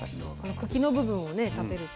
茎の部分をね食べるって。